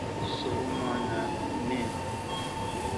سو اوما ناین۔